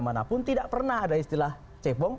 manapun tidak pernah ada istilah cebong